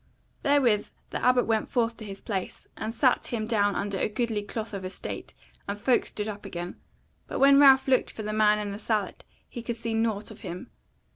Therewith the Abbot went forth to his place, and sat him down under a goodly cloth of estate, and folk stood up again; but when Ralph looked for the man in the sallet he could see nought of him.